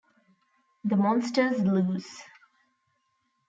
The Monster's Loose.